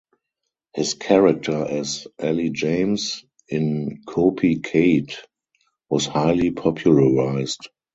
His character as "Ali James" in "Kopi Kade" was highly popularized.